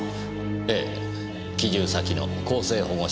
ええ帰住先の更生保護施設から。